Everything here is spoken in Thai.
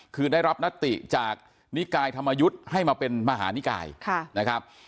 คือได้รับนัตติจากนิกายธรรมยุทธ์ให้มาเป็นมหานิกายนะครับ